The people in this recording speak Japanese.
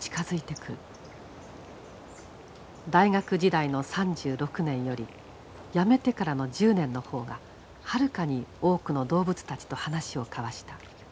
大学時代の３６年より辞めてからの１０年の方がはるかに多くの動物たちと話を交わした。